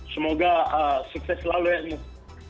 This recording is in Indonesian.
semoga sukses selalu ya nu